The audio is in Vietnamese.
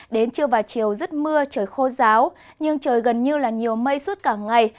đến trưa và chiều rất mưa trời khô giáo nhưng trời gần như là nhiều mây suốt cả ngày